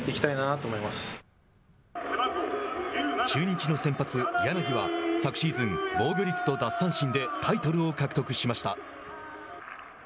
中日の先発、柳は、昨シーズン、防御率と奪三振でタイトルを獲得しました。